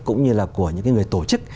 cũng như là của những người tổ chức